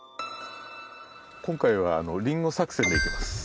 今回は「リンゴ作戦」でいきます。